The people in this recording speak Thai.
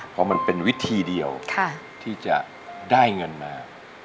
เพราะมันเป็นวิธีเดียวที่จะได้เงินมา